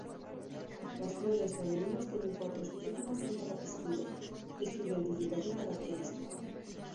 Las flores femeninas tienen cuatro estigmas en cada pistilo, es su identificación característica.